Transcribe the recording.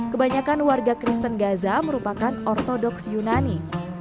kebanyakan warga kristen gaza merupakan ortodoks yunani